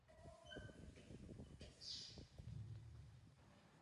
Studijní bibli vydalo vydavatelství Life Publishers International.